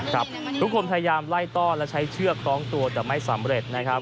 ทุกคนพยายามไล่ต้อนและใช้เชือกคล้องตัวแต่ไม่สำเร็จนะครับ